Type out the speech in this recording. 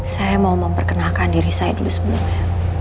saya mau memperkenalkan diri saya dulu sebelumnya